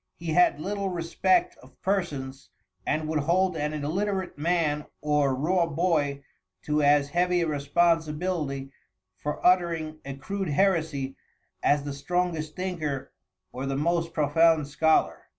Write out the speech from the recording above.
He had little respect of persons, and would hold an illiterate man or raw boy to as heavy a responsibility for uttering a crude heresy, as the strongest thinker or the most profound scholar."